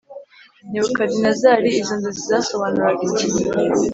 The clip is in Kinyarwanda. Nebukadinezari Izo nzozi zasobanuraga iki